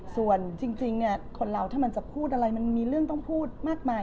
ส่วนจริงคนเราถ้ามันจะพูดอะไรมันมีเรื่องต้องพูดมากมาย